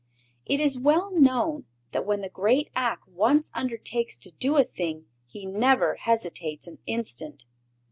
It is well known that when the great Ak once undertakes to do a thing he never hesitates an instant.